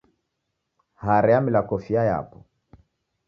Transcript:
Hare yamila kofia yapo.